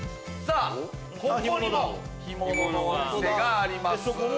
ここにも干物のお店があります。